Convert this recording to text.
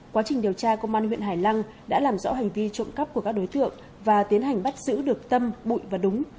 quá trình điều tra công an huyện hải lăng đã làm rõ hành vi trộm cắp của các đối tượng và tiến hành bắt giữ được tâm bụi và đúng